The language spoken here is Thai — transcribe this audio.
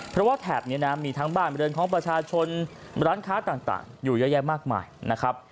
เพราะว่าแถบนี้นะมีทั้งบ้านบริเวณของประชาชนร้านค้าต่างอยู่เยอะแยะมากมายนะครับ